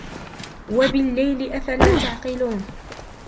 وبالليل أفلا تعقلون